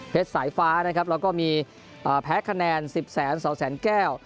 เพชรสายฟ้านะครับแล้วก็มีเอ่อแพ้คะแนนสิบแสนสองแสนแก้ว